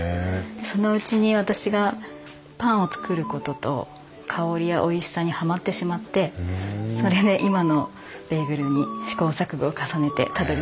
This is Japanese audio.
そのうちに私がパンを作ることと香りやおいしさにはまってしまってそれで今のベーグルに試行錯誤を重ねてたどりつきました。